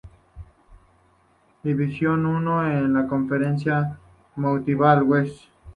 Division I en la conferencia Mountain West.